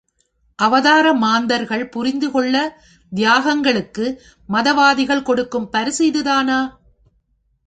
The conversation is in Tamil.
அவதார மாந்தர்கள் புரிந்துள்ள தியாகங்களுக்கு மதவாதிகள் கொடுக்கும் பரிசு இதுதானா?